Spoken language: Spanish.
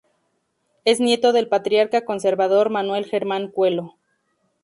Es nieto del patriarca conservador Manuel Germán Cuello.